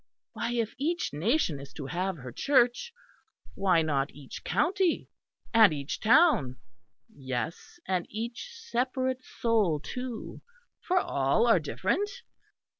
Why, if each nation is to have her Church, why not each county and each town yes, and each separate soul, too; for all are different!